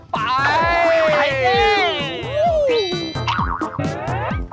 ไปไปเยี่ยม